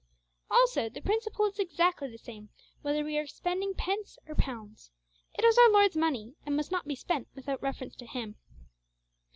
Also the principle is exactly the same, whether we are spending pence or pounds; it is our Lord's money, and must not be spent without reference to Him.